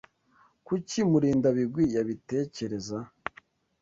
Kuki Murindabigwi yabitekereza?